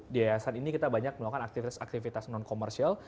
di yayasan ini kita banyak melakukan aktivitas aktivitas non komersial